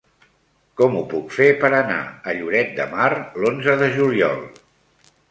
Com ho puc fer per anar a Lloret de Mar l'onze de juliol?